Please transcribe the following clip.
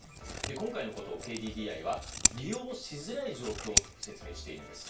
今回のことをＫＤＤＩは利用しづらい状況と説明しているんです。